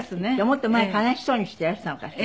もっと前悲しそうにしていらしたのかしら。